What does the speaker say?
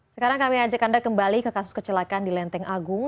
sekarang kami ajak anda kembali ke kasus kecelakaan di lenteng agung